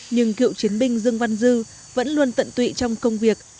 nhưng cựu chiến binh dương văn dư vẫn luôn tận tụy trong công việc